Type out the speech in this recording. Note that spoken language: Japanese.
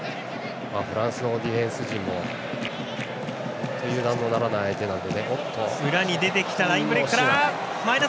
フランスのディフェンス陣も油断のならない相手なので。